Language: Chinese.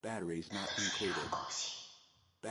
她的声音好高兴